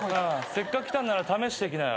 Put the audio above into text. せっかく来たんなら試していきなよ。